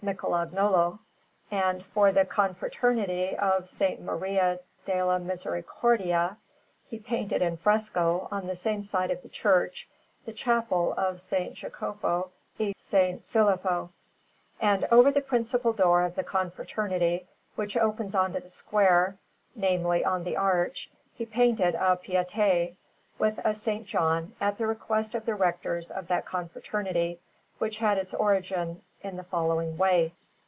Michelagnolo; and, for the Confraternity of S. Maria della Misericordia, he painted in fresco, on the same side of the church, the Chapel of S. Jacopo e S. Filippo; and over the principal door of the Confraternity, which opens on to the square namely, on the arch he painted a Pietà, with a S. John, at the request of the Rectors of that Confraternity, which had its origin in the following way.